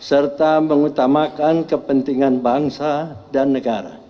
serta mengutamakan kepentingan bangsa dan negara